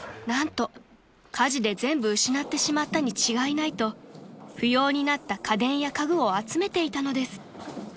［何と火事で全部失ってしまったに違いないと不要になった家電や家具を集めていたのです］